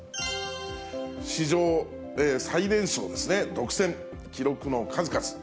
史上最年少ですね、独占、記録の数々。